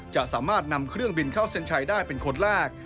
จะสามารถนำเครื่องบินเข้าเส้นชัยได้เป็นคนแรก